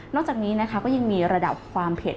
จากนี้นะคะก็ยังมีระดับความเผ็ด